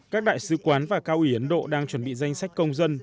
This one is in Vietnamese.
các đại sứ quán và cao ủy ấn độ đang chuẩn bị danh sách công dân